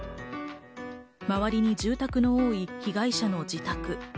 周りに住宅の多い被害者の自宅。